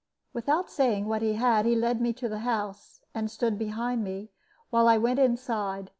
Without saying what he had, he led me to the house, and stood behind me, while I went inside.